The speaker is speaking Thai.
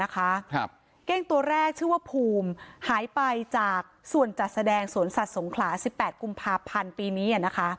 เก้งตัวแรกชื่อว่าภูมิหายไปจากส่วนจัดแสดงสวนสัตว์สงขลา๑๘กุมภาพันธ์ปีนี้